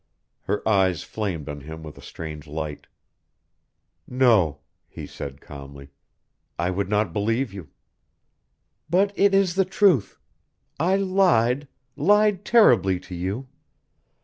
Her eyes flamed on him with a strange light. "No," he said calmly. "I would not believe you." "But it is the truth. I lied lied terribly to you.